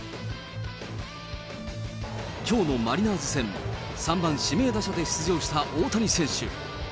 きょうのマリナーズ戦、３番指名打者で出場した大谷選手。